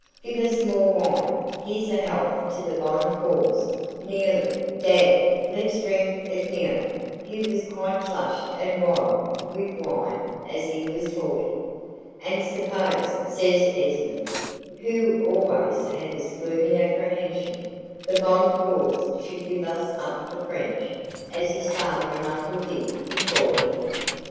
Give us more wine; here's a health to the bonne cause, kneeling damme, let's drink it kneeling." He was quite flushed and wild with wine as he was talking. "And suppose," says Esmond, who always had this gloomy apprehension, "the bonne cause should give us up to the French, as his father and uncle did before him?"